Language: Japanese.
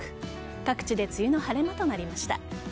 各地で梅雨の晴れ間となりました。